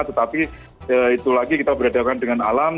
tetapi itu lagi kita berhadapan dengan alam